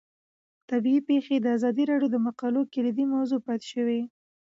طبیعي پېښې د ازادي راډیو د مقالو کلیدي موضوع پاتې شوی.